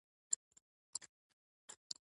فقهي اجتهاد پخوانی سنت دی.